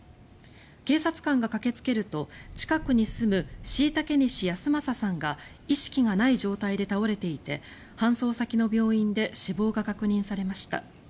警察官が駆けつけると近くに住む後嵩西安正さんが意識がない状態で倒れていて搬送先の病院で死亡が確認されました。